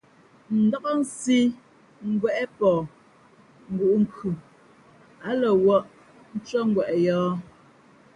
Ndák nsī ngwěʼpαhngǔʼ nkhʉ, ǎ lα wᾱʼ ntʉ́άngweʼ yᾱᾱ.